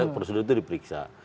prosedur itu diperiksa